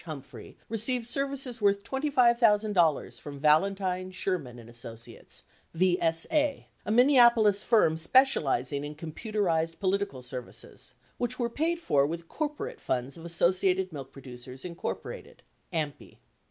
Humphrey received services worth $25,000 from Valentine, Sherman and Associ ates (VSA), a Minneapolis firm specializing in computerized politi cal services, which were paid for with corporate funds of Associated Milk Producers, Inc. (AMPI).